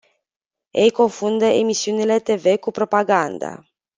Ei confundă emisiunile te ve cu propaganda.